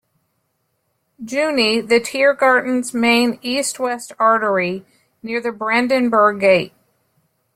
Juni, the Tiergarten's main east-west artery, near the Brandenburg Gate.